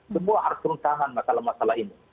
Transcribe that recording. semua harus menahan masalah masalah ini